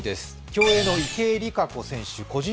競泳の池江璃花子選手